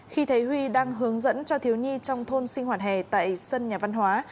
khi thấy huy đang hướng dẫn cho thiếu nhi trong thôn sinh hoạt hè tại sân nhà văn hóa